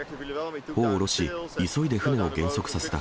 帆を降ろし急いで船を減速させた。